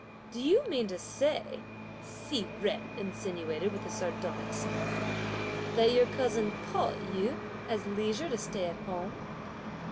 "Do you mean to say," Hsi Jen insinuated with a sardonic smile, "that your cousin Pao yü has leisure to stay at home?"